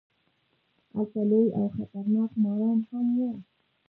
هلته لوی او خطرناک ماران هم وو.